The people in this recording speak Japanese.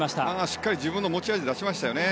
しっかり自分の持ち味を出しましたよね。